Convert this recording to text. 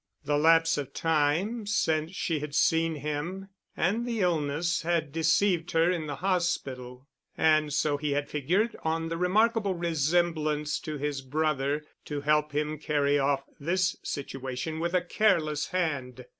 The lapse of time since she had seen him and the illness had deceived her in the hospital. And so he had figured on the remarkable resemblance to his brother to help him carry off this situation with a careless hand.